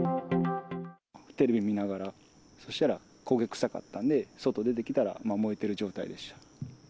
テレビ見ながら、そしたら焦げ臭かったんで、外出てきたら、燃えてる状態でした。